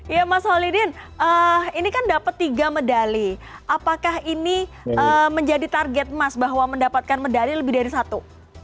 ya mas holidin ini kan dapat tiga medali apakah ini menjadi target emas bahwa mendapatkan medali lebih dari satu